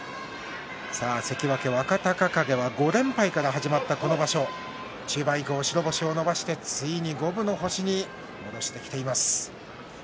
関脇若隆景は５連敗から始まったこの場所中盤以降、白星を伸ばしてついに五分の星に戻してきています。